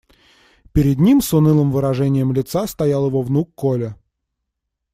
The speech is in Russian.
Перед ним с унылым выражением лица стоял его внук Коля.